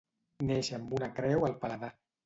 Néixer amb una creu al paladar.